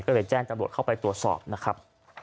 ก็เลยแจ้งตำรวจเข้าไปตรวจสอบนะครับ